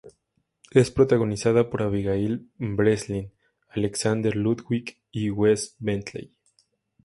Es protagonizada por Abigail Breslin, Alexander Ludwig, y Wes Bentley.